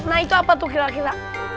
nah itu apa tuh kira kira